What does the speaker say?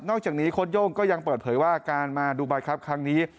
จากนี้โค้ดโย่งก็ยังเปิดเผยว่าการมาดูไบครับครั้งนี้